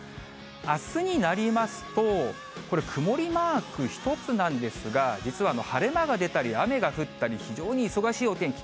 あすになりますと、これ、曇りマーク一つなんですが、実は晴れ間が出たり、雨が降ったり、非常に忙しいお天気。